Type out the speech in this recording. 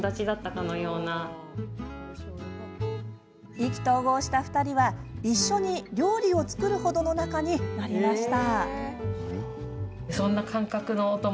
意気投合した２人は、一緒に料理を作る程の仲になりました。